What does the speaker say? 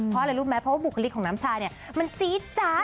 เพราะอะไรรู้ไหมเพราะว่าบุคลิกของน้ำชาเนี่ยมันจี๊ดจ๊ะ